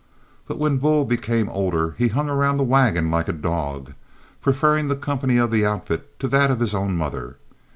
But when Bull became older he hung around the wagon like a dog, preferring the company of the outfit to that of his own mother.